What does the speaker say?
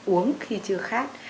uống khi chưa khát